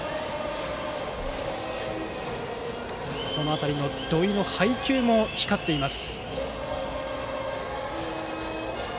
この辺り、土井の配球も光っています。